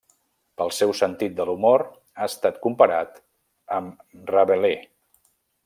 Pel seu sentit de l'humor ha estat comparat amb Rabelais.